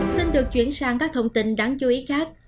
xin được chuyển sang các thông tin đáng chú ý khác